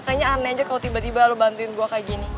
kayaknya aneh aja kalau tiba tiba lo bantuin gue kayak gini